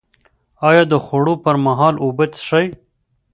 ایا د خوړو پر مهال اوبه څښئ؟